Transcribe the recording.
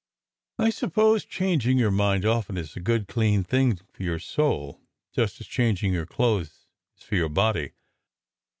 I suppose changing your mind often is a good, clean thing for your soul, just as changing your clothes is for your body.